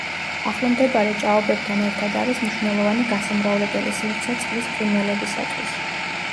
ახლომდებარე ჭაობებთან ერთად არის მნიშვნელოვანი გასამრავლებელი სივრცე წყლის ფრინველებისათვის.